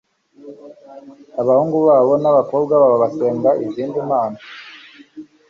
abahungu babo n'abakobwa babo basenga izindi mana